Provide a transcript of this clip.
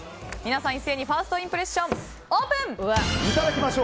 一斉にファーストインプレッションオープン！